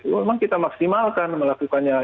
memang kita maksimalkan melakukannya